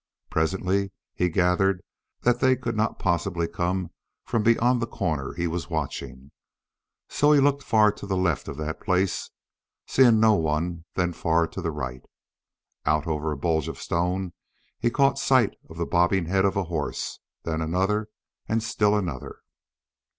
Presently he gathered that they could not possibly come from beyond the corner he was watching. So he looked far to the left of that place, seeing no one, then far to the right. Out over a bulge of stone he caught sight of the bobbing head of a horse then another and still another.